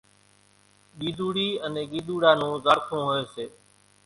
ڳيۮوڙِي انين ڳيۮوڙا نون زاڙکون هوئيَ سي۔